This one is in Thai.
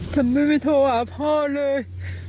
ทำไมไม่โทรหาพ่อเลย